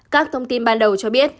các thông tin ban đầu cho biết